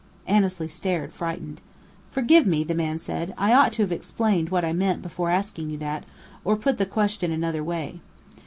Annesley stared, frightened. "Forgive me," the man said. "I ought to have explained what I meant before asking you that, or put the question another way.